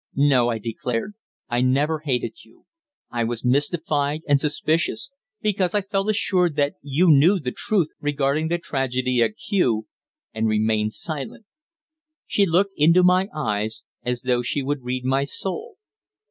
"No," I declared. "I never hated you. I was mystified and suspicious, because I felt assured that you knew the truth regarding the tragedy at Kew, and remained silent." She looked into my eyes, as though she would read my soul.